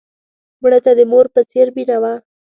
مړه ته د مور په څېر مینه وه